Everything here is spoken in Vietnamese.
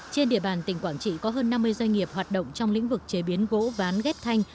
trên địa bàn tỉnh quảng trị có hơn năm mươi doanh nghiệp hoạt động trong lĩnh vực chế biến gỗ ván ghép thanh